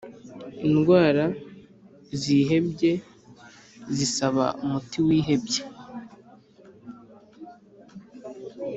indwara zihebye zisaba umuti wihebye